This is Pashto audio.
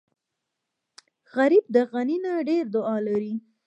غریب د غني نه ډېره دعا لري